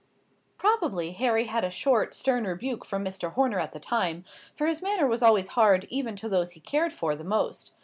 Probably Harry had a short, stern rebuke from Mr. Horner at the time, for his manner was always hard even to those he cared for the most.